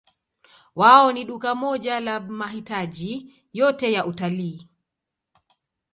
Wao ni duka moja la mahitaji yote ya utalii.